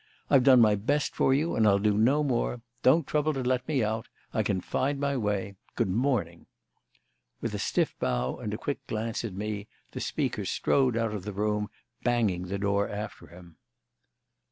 I've done my best for you and I'll do no more. Don't trouble to let me out; I can find my way. Good morning." With a stiff bow and a quick glance at me, the speaker strode out of the room, banging the door after him.